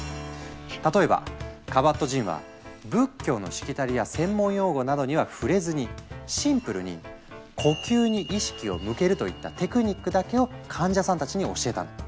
例えばカバットジンは仏教のしきたりや専門用語などには触れずにシンプルに「呼吸に意識を向ける」といった「テクニック」だけを患者さんたちに教えたの。